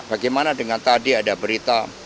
bagaimana dengan tadi ada berita